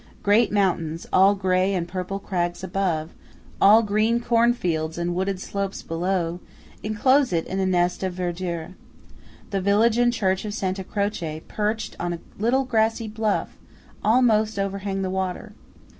Great mountains, all grey and purple crags above, all green corn fields and wooded slopes below, enclose it in a nest of verdure. The village and church of Santa Croce, perched on a little grassy bluff, almost overhang the water.